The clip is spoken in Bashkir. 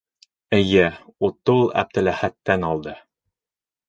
Эйе, утты ул Әптеләхәттән алды.